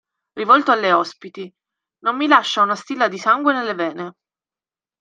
Rivolto alle ospiti: – Non mi lascia una stilla di sangue nelle vene.